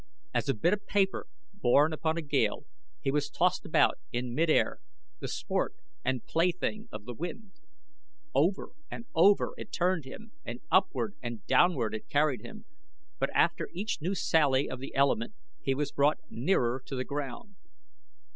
As a bit of paper borne upon a gale he was tossed about in mid air, the sport and plaything of the wind. Over and over it turned him and upward and downward it carried him, but after each new sally of the element he was brought nearer to the ground.